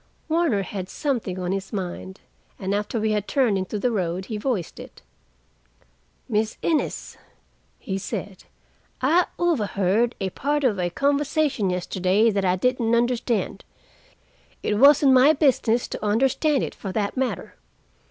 Warner had something on his mind, and after we had turned into the road, he voiced it. "Miss Innes," he said. "I overheard a part of a conversation yesterday that I didn't understand. It wasn't my business to understand it, for that matter.